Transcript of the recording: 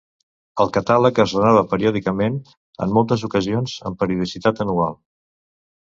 El catàleg es renova periòdicament, en moltes ocasions amb periodicitat anual.